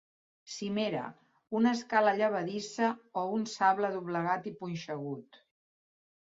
Cimera: Una escala llevadissa o un sable doblegat i punxegut.